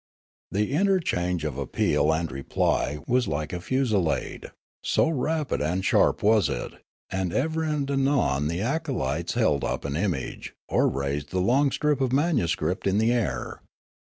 The interchange of appeal and reply was like a fusilade, so rapid and sharp was it ; and ever and anon the acolytes held up an image, or raised the long strip of manuscript in the air.